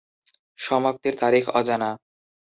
সমাপ্তির তারিখ অজানা।